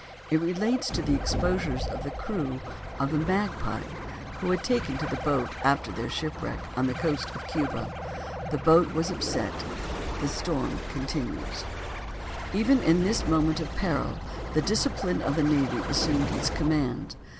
It relates to the exposures of the crew of the Magpie, who had taken to the boat, after their shipwreck on the coast of Cuba. The boat was upset, the storm continues: Even in this moment of peril, the discipline of the navy assumed its command.